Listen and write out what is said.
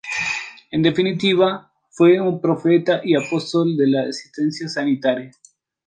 En definitiva, fue un profeta y apóstol de la asistencia sanitaria.